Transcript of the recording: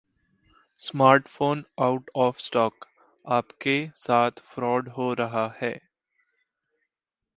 Smartphone out of stock? आपके साथ fraud हो रहा है!